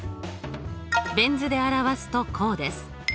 ベン図で表すとこうです。